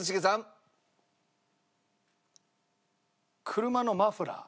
車のマフラー？